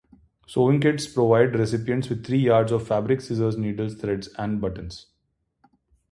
Sewing Kits provide recipients with three yards of fabric, scissors, needles, threads, and buttons.